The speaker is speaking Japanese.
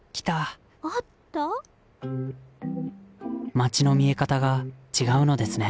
街の見え方が違うのですね